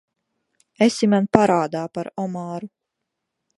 Esi man parādā par omāru.